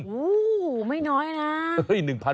โอ้โหไม่น้อยนะ